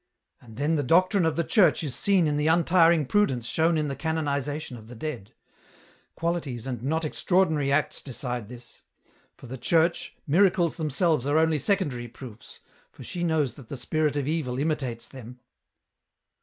"And then the doctrine of the Church is seen in the untiring prudence shown in the canonization of the dead. EN ROUTE. 221 Qiialities and not extraordinary acts decide this ; for the Church, miracles themselves are only secondary proofs, for she knows that the Spirit of Evil imitates them.